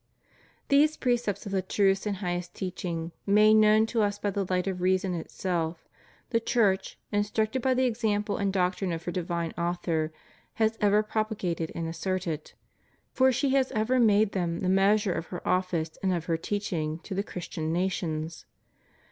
These precepts of the truest and highest teaching, made known to us by the light of reason itself, the Church, instructed by the example and doctrine of her divine Author, has ever propagated and asserted; for she has ever made them the measure of her office and of her teach ing to the Christian nations.